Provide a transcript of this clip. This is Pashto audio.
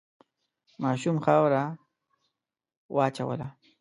ماشوم خاوره وواچوله.